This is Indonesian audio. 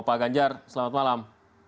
pak ganjar selamat malam